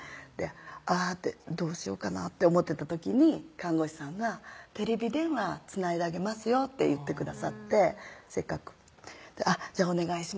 あぁってどうしようかなって思ってた時に看護師さんが「テレビ電話つないであげますよ」って言ってくださってせっかく「じゃあお願いします」